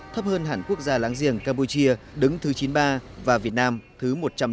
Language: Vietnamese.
thấp hơn hẳn quốc gia láng giềng campuchia đứng thứ chín mươi ba và việt nam thứ một trăm linh hai